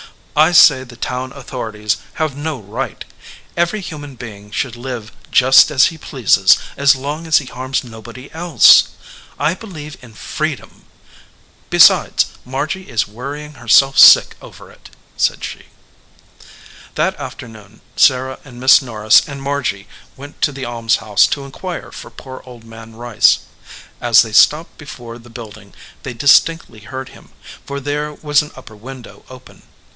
"I say the town authorities have no right. Every human being should live just as he pleases as long as he harms nobody else. I believe in free dom. Besides, Margy is worrying herself sick over it," said she. That afternoon Sarah and Miss Norris and Margy went to the almshouse to inquire for poor Old Man Rice. As they stopped before the build ing they distinctly heard him, for there was an upper window open.